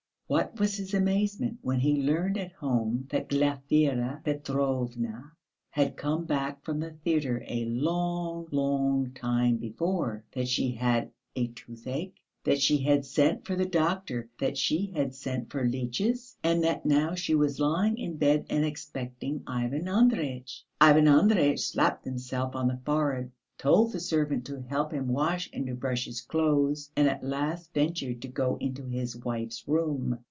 What was his amazement when he learned at home that Glafira Petrovna had come back from the theatre a long, long time before, that she had toothache, that she had sent for the doctor, that she had sent for leeches, and that now she was lying in bed and expecting Ivan Andreyitch. Ivan Andreyitch slapped himself on the forehead, told the servant to help him wash and to brush his clothes, and at last ventured to go into his wife's room.